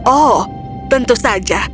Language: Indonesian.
oh tentu saja